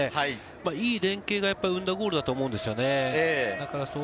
いい連係が生んだゴールだと思います。